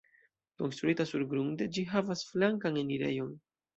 Konstruita surgrunde, ĝi havas flankan enirejon.